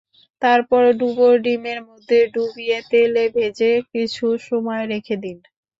তারপর ডুবো ডিমের মধ্যে ডুবিয়ে তেলে ভেজে কিছু সময় রেখে দিন।